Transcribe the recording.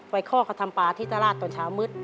ไปข้อทำปลาที่ตระลาดตอนช้ามืด